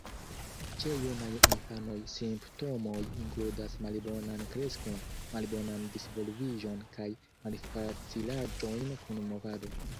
Ĉe junaj infanoj simptomoj inkludas malbonan kreskon, malbonan disvolviĝon kaj malfacilaĵojn kun movado.